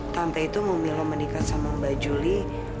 tante itu memilu menikah sama mbak juli